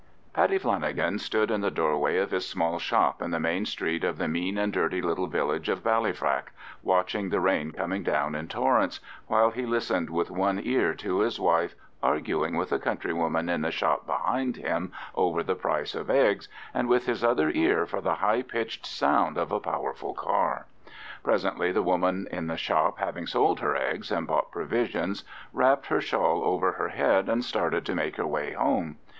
Paddy Flanagan stood in the doorway of his small shop in the main street of the mean and dirty little village of Ballyfrack, watching the rain coming down in torrents, while he listened with one ear to his wife arguing with a countrywoman in the shop behind him over the price of eggs, and with his other ear for the high pitched sound of a powerful car. Presently the woman in the shop, having sold her eggs and bought provisions, wrapped her shawl over her head and started to make her way home.